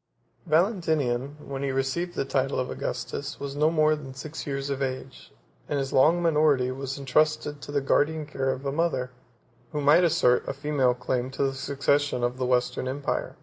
] Valentinian, when he received the title of Augustus, was no more than six years of age; and his long minority was intrusted to the guardian care of a mother, who might assert a female claim to the succession of the Western empire.